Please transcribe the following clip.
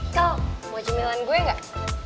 kau mau cemilan gue gak